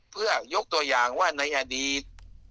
เพื่อยกตัวอย่างว่าในอดีต